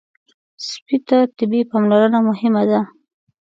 سپي ته طبي پاملرنه مهمه ده.